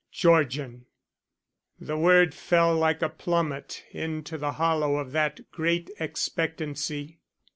Georgian! The word fell like a plummet into the hollow of that great expectancy.